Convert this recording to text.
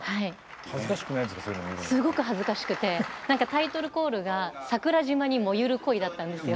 すごく恥ずかしくてタイトルコールが桜島に燃ゆる恋だったんですよ。